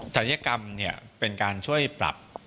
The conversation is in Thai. ศัลยกรรมเนี่ยเป็นการช่วยปรับ